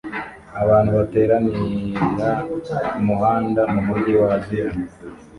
Abantu bateranira kumuhanda mumujyi wa Aziya